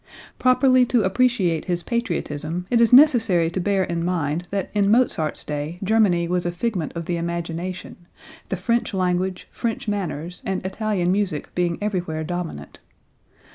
Properly to appreciate his patriotism it is necessary to hear in mind that in Mozart's day Germany was a figment of the imagination, the French language, French manners and Italian music being everywhere dominant.